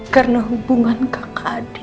karena hubungan kakak adik